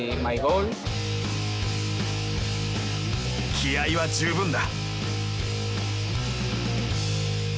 気合いは十分だ。